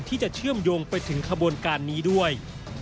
ที่จะเชื่อมโยงไปถึงขบวนการนี้ด้วย